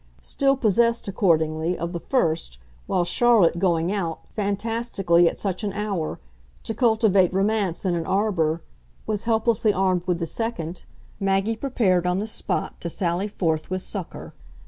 Still possessed, accordingly, of the first while Charlotte, going out, fantastically, at such an hour, to cultivate romance in an arbour, was helplessly armed with the second, Maggie prepared on the spot to sally forth with succour.